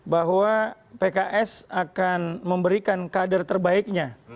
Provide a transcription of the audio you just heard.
bahwa pks akan memberikan kader terbaiknya